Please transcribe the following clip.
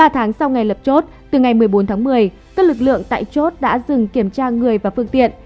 ba tháng sau ngày lập chốt từ ngày một mươi bốn tháng một mươi các lực lượng tại chốt đã dừng kiểm tra người và phương tiện